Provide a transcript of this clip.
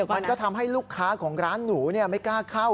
มันก็ทำให้ลูกค้าของร้านหนูไม่กล้าเข้า